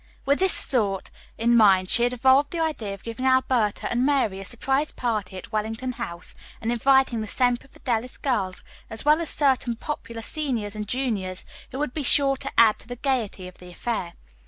With this thought in mind she had evolved the idea of giving Alberta and Mary a surprise party at Wellington House and inviting the Semper Fidelis girls as well as certain popular seniors and juniors who would be sure to add to the gayety of the affair.